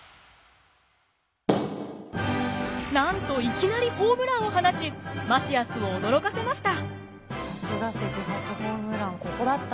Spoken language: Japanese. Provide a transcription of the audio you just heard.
なんといきなりホームランを放ちマシアスを驚かせました。